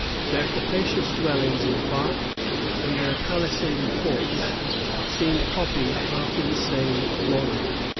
Their capacious dwellings of bark, and their palisaded forts, seemed copied after the same model.